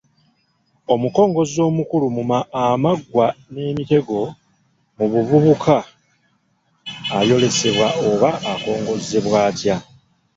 Omukongozzi omukulu mu “Amaggwa n’emitego mu buvubuka” ayolesebwa oba akongozzebwa atya?